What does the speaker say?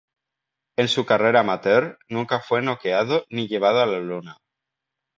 En su carrera amateur nunca fue noqueado, ni llevado a la lona.